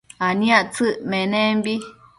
aniactsëc menembi